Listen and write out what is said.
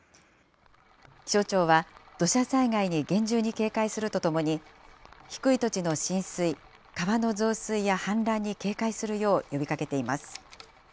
気象庁は、土砂災害に厳重に警戒するとともに、低い土地の浸水、川の増水や氾濫に警戒するよう呼びかけています。